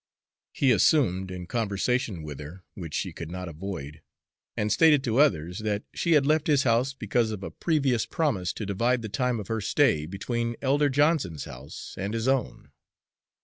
He assumed, in conversation with her which she could not avoid, and stated to others, that she had left his house because of a previous promise to divide the time of her stay between Elder Johnson's house and his own.